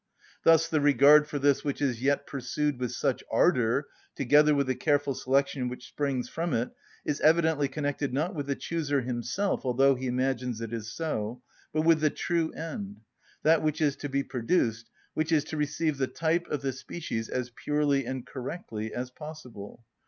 Thus the regard for this which is yet pursued with such ardour, together with the careful selection which springs from it, is evidently connected, not with the chooser himself—although he imagines it is so—but with the true end, that which is to be produced, which is to receive the type of the species as purely and correctly as possible.